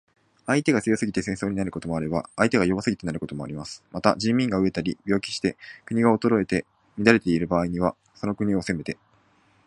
相手が強すぎて戦争になることもあれば、相手が弱すぎてなることもあります。また、人民が餓えたり病気して国が衰えて乱れている場合には、その国を攻めて